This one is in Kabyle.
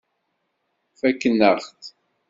Fakken-aɣ-t.